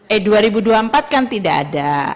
eh dua ribu dua puluh empat kan tidak ada